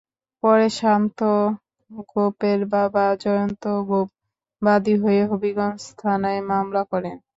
পরে শান্ত গোপের বাবা জয়ন্ত গোপ বাদী হয়ে হবিগঞ্জ থানায় মামলা করেন।